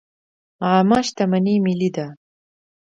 عامه شتمني ملي ده